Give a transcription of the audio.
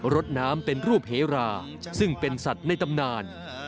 รดน้ำเป็นรูปเฮราซึ่งเป็นสัตว์ในตำนาน